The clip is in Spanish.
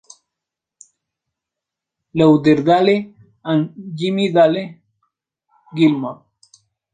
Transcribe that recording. Lauderdale and Jimmie Dale Gilmore.